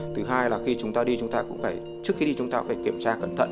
thứ hai là khi chúng ta đi trước khi đi chúng ta cũng phải kiểm tra cẩn thận